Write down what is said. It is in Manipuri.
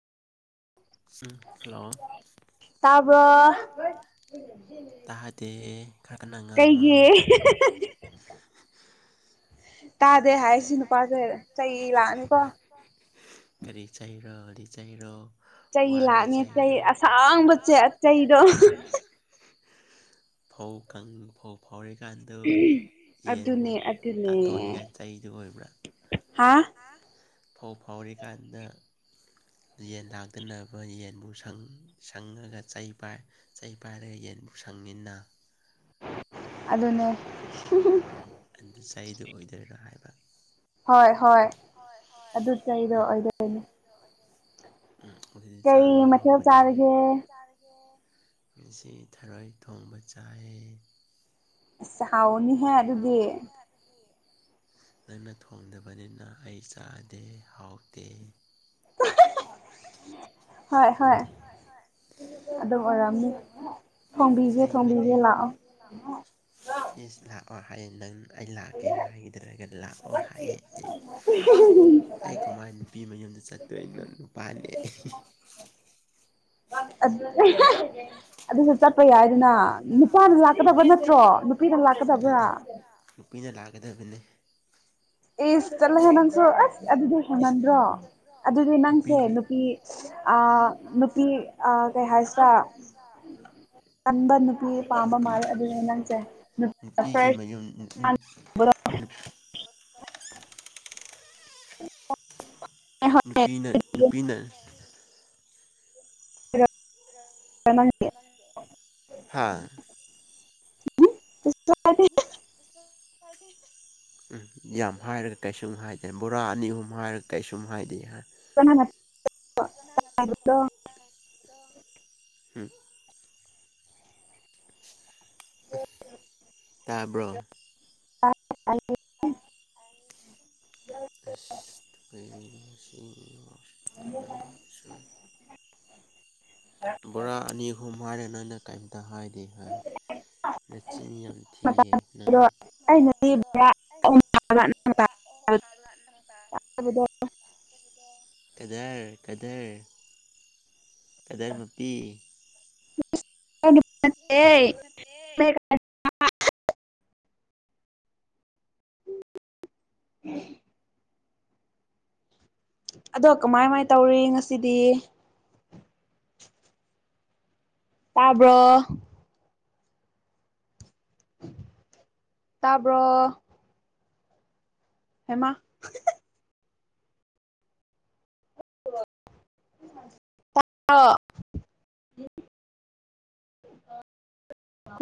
ꯎꯝ ꯍꯜꯂꯣ ꯇꯥꯕ꯭ꯔꯣ ꯇꯥꯕ꯭ꯔꯣ ꯇꯥꯗꯦ ꯈꯔ ꯀꯟꯅ ꯉꯥꯡꯉꯣ ꯀꯩꯒꯤ ꯇꯥꯗꯦ ꯍꯥꯏ ꯁꯤ ꯅꯨꯄꯥꯖꯦ ꯆꯩ ꯂꯥꯛꯑꯅꯤꯀꯣ ꯀꯔꯤ ꯆꯩꯔꯣ ꯂꯤꯆꯩꯔꯣ ꯆꯩ ꯋꯥꯒꯤ ꯂꯥꯛꯅꯦ ꯆꯩ ꯆꯩꯔꯣ ꯑꯁꯥꯡꯕꯁꯦ ꯆꯩꯗꯣ ꯐꯧ ꯀꯪ ꯐꯧ ꯐꯧꯔꯤꯀꯥꯟꯗꯨ ꯌꯦꯟꯕꯨ ꯑꯗꯨꯅꯦ ꯇꯥꯟꯊꯣꯛꯅꯤꯡꯉꯥꯏ ꯆꯩꯗꯨ ꯑꯣꯏꯕ꯭ꯔꯥ ꯍꯥ ꯐꯧ ꯐꯧꯔꯤꯀꯥꯟꯗ ꯌꯦꯟ ꯂꯥꯛꯇꯅꯕ ꯌꯦꯟꯕꯨ ꯁꯪ ꯁꯪꯉꯒ ꯆꯩ ꯄꯥꯏ ꯆꯩ ꯄꯥꯏꯔꯒ ꯌꯦꯟꯕꯨ ꯁꯪꯉꯤꯟꯅ ꯑꯗꯨꯅꯦ ꯑꯗꯨ ꯆꯩꯗꯨ ꯑꯣꯏꯗꯣꯏꯔꯣ ꯍꯥꯏꯕ ꯍꯣꯏ ꯍꯣꯏ ꯑꯗꯨ ꯆꯩꯗꯣ ꯑꯣꯏꯗꯣꯏꯅꯤ ꯗꯣ ꯑꯣꯏꯗꯣꯏꯅꯤ ꯎꯝ ꯑꯗꯨꯗꯤ ꯀꯩ ꯆꯥꯕ ꯃꯊꯦꯜ ꯍꯥꯎꯕꯅꯦ ꯀꯩ ꯆꯥꯔꯒꯦ ꯃꯊꯦꯜ ꯆꯥꯔꯒꯦ ꯉꯁꯤ ꯊꯔꯣꯏ ꯊꯣꯡꯕ ꯆꯥꯏ ꯏꯁ ꯍꯥꯎꯅꯤ ꯏꯁ ꯍꯥꯎꯔꯅꯤꯍꯦ ꯗꯨꯗꯤ ꯅꯪꯅ ꯊꯣꯡꯗꯕꯅꯤꯅ ꯑꯩ ꯆꯥꯗꯦ ꯍꯥꯎꯇꯦ ꯍꯣꯏ ꯍꯣꯏ ꯍꯣꯏ ꯑꯗꯨꯝ ꯑꯣꯏꯔꯝꯅꯤ ꯊꯣꯡꯕꯤꯒꯦ ꯑꯁꯦꯡꯕꯅꯦ ꯊꯣꯡꯕꯤꯒꯦ ꯂꯥꯛꯑꯣ ꯏꯁ ꯂꯥꯛꯑꯣ ꯍꯥꯏꯌꯦ ꯅꯪ ꯑꯩ ꯂꯥꯛꯀꯦ ꯍꯥꯏꯗ꯭ꯔꯒ ꯂꯥꯛꯑꯣ ꯍꯥꯏꯌꯦ ꯑꯩ ꯑꯩ ꯀꯃꯥꯏꯟ ꯅꯨꯄꯤ ꯃꯌꯨꯝꯗ ꯆꯠꯇꯣꯏꯅꯣ ꯅꯨꯄꯥꯅꯦ ꯑꯠ ꯑꯗꯨ [unintelligible] ꯆꯠꯄ ꯌꯥꯏꯗꯅ ꯅꯨꯄꯥꯅ ꯂꯥꯛꯀꯗꯕ ꯅꯠꯇ꯭ꯔꯣ ꯅꯨꯄꯤꯅ ꯂꯥꯛꯀꯗꯕ꯭ꯔꯥ ꯄꯤꯅ ꯂꯥꯛꯀꯗꯕꯅꯦ ꯏꯁ ꯆꯠꯂꯣꯍꯦ ꯅꯪꯁꯨ ꯑꯁ ꯑꯗꯨꯗꯤ ꯏꯁ ꯍꯦꯟꯃꯟꯗ꯭ꯔꯣ ꯑꯗꯨꯗꯤ ꯅꯪꯁꯦ ꯅꯨꯄꯤꯅ ꯅꯨꯄꯤ ꯑꯥ ꯅꯨꯄꯤ ꯑꯥ ꯀꯩ ꯍꯥꯏꯁꯤꯔꯥ [inaudible] ꯀꯟꯕ ꯅꯨꯄꯤ ꯄꯥꯝꯕ ꯅꯨꯄꯤ ꯃꯥꯜꯂꯦ ꯑꯗꯨꯅꯦ ꯅꯪꯁꯦ ꯅꯨꯞ ꯅꯨꯄꯤꯒꯤ ꯃꯌꯨꯝ [unintelligible] [unintelligible] [inaudible] ꯅꯨꯄꯤꯅ ꯅꯨꯄꯤꯅ [unintelligible] ꯍꯥꯥ [inaudible] [inaudible] ꯎꯝ ꯌꯥꯝ ꯍꯥꯏꯔꯒ ꯀꯩꯁꯨꯝ ꯍꯥꯏꯗꯦ ꯕꯣꯔꯥ ꯑꯅꯤ ꯑꯍꯨꯝ ꯍꯥꯏꯔ ꯀꯩꯁꯨꯝ ꯍꯥꯏꯗꯦ ꯍꯥ [inaudible] ꯍꯨꯝ ꯇꯥꯕ꯭ꯔꯣ [inaudible] [inaudible] ꯑꯩꯁ [unintelligible] ꯕꯣꯔꯥ ꯑꯅꯤ ꯑꯍꯨꯝ ꯍꯥꯏꯔ ꯅꯪꯅ ꯀꯩꯝꯇ ꯍꯥꯏꯗꯦ ꯍꯣꯏ ꯅꯆꯤꯟ ꯌꯥꯝ ꯊꯤꯌꯦ ꯅꯪ [inaudible] ꯀꯗꯔ ꯀꯗꯔ ꯀꯗꯔ ꯃꯄꯤ [unintelligible] [unintelligible] [inaudible] ꯑꯗꯣ ꯀꯃꯥꯏ ꯃꯥꯏ ꯇꯧꯔꯤ ꯉꯁꯤꯗꯤ ꯇꯥꯕ꯭ꯔꯣ ꯇꯥꯕ꯭ꯔꯣ ꯍꯦꯃꯥ [inaudible]